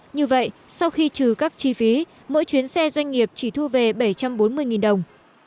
như vậy sau khi trừ các chi phí mỗi chuyến xe doanh nghiệp chỉ thu về bảy trăm bốn mươi đồng